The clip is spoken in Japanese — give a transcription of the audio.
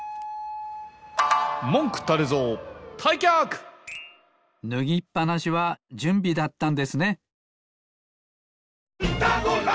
たいきゃくぬぎっぱなしはじゅんびだったんですね。